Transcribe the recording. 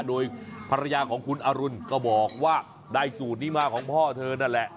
โดยภรรยาของคุณอรุณก็บอกว่าได้สูตรนี้มาของพ่อเธอนั่นแหละ